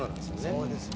「そうですよ」